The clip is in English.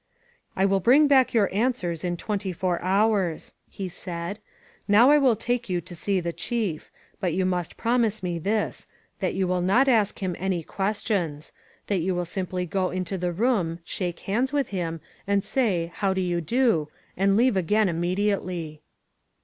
"I will bring back your answers in twenty four hours," he said. "Now I will take you to see the Chief; but you must promise me this: that you will not ask him any questions, — that you will simply go into the room, shake hands with him, and say ^How do you do,' and leave again inmiediately."